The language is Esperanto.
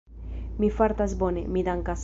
Mi fartas bone, mi dankas.